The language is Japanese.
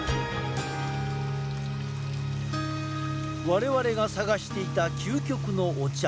我々が探していた究極のお茶。